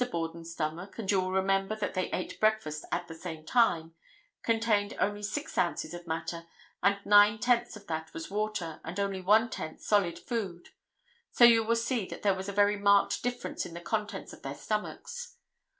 Borden's stomach—and you will remember that they ate breakfast at the same time—contained only six ounces of matter, and nine tenths of that was water, and only one tenth solid food; so you will see there was a very marked difference in the contents of their stomachs.